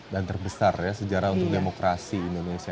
dan terbesar ya sejarah untuk demokrasi indonesia